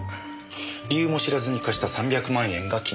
理由も知らずに貸した３００万円が気になったですよね？